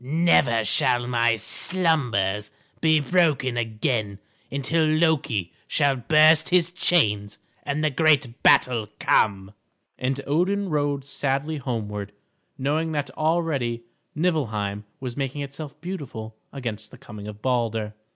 "Never shall my slumbers be broken again until Loki shall burst his chains and the great battle come." And Odin rode sadly homeward knowing that already Niflheim was making itself beautiful against the coming of Balder.